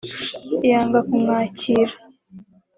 yanga kumwakira